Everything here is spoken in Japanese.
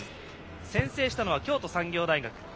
先制したのは京都産業大学。